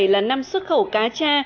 là năm xuất khẩu cacha